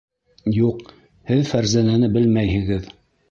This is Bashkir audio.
Юҡ, һеҙ Фәрзәнәне белмәйһегеҙ.